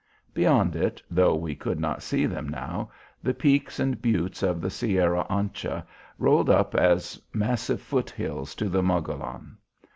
Beyond it, though we could not see them now, the peaks and "buttes" of the Sierra Ancha rolled up as massive foot hills to the Mogollon.